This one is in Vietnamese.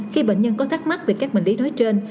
khi bệnh nhân có thắc mắc về các bệnh lý nói trên